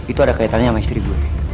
itu ada kaitannya sama istri bu